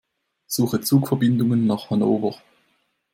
Suche Zugverbindungen nach Hannover.